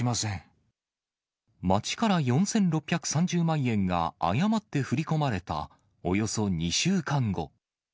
町から４６３０万円が誤って振り込まれた、およそ２週間後。